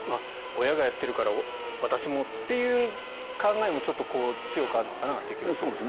親がやっているから私もという考えもちょっと強くあるのかなという気がします。